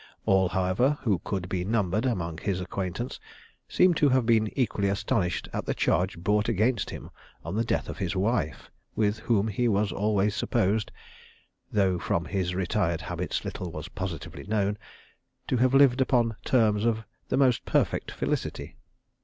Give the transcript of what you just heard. All, however, who could be numbered among his acquaintance seem to have been equally astonished at the charge brought against him on the death of his wife, with whom he was always supposed, though from his retired habits little was positively known, to have lived upon terms of the most perfect felicity.